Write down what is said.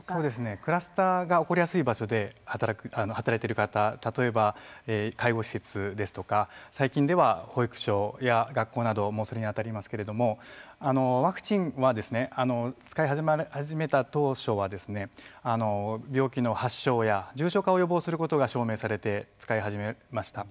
クラスターが起こりやすい場所で働いてる方例えば、介護施設ですとか最近では保育所や学校などもそれに当たりますけれどもワクチンは使い始めた当初は病気の発症や重症化を予防することが証明されて使い始めました。